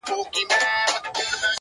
ستا د ښکلا په تصور کي یې تصویر ویده دی؛